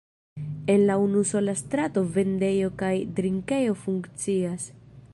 En la unusola strato vendejo kaj drinkejo funkcias.